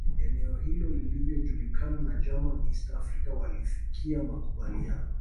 Eneo hilo lilivyojulikana na German East Africa walifikia makubaliano